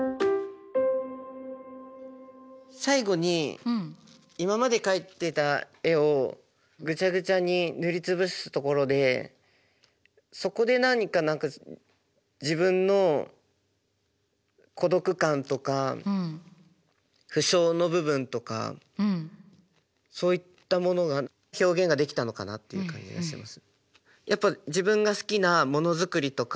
最後に今まで描いてた絵をぐちゃぐちゃに塗り潰すところでそこで何か自分の孤独感とか不詳の部分とかそういったものが表現ができたのかなっていう感じがします。